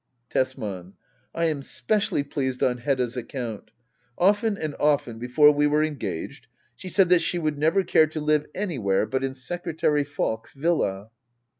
Tesman. I am specially pleased on Hedda's account Often and often, before we were engaged, she said that she would never care to live anywhere but in Secretary Falk's villa.